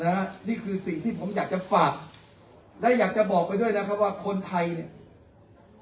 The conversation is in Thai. นี่คือสิ่งที่ผมอยากจะฝากและอยากจะบอกไปด้วยนะครับว่าคนไทยเนี่ย